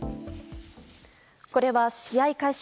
これは、試合開始